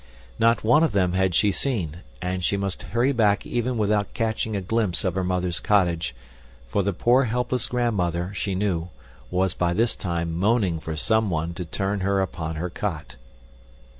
Not one of them had she seen, and she must hurry back without even catching a glimpse of her mother's cottage, for the poor helpless grandmother, she knew, was by this time moaning for someone to turn her upon her cot.